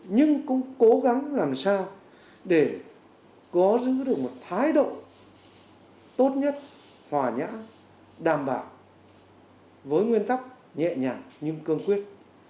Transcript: nhưng cũng cố gắng làm sao để có giữ được một thái độ tốt nhất hòa nhã đảm bảo với nguyên tắc nhẹ nhàng nhưng cương quyết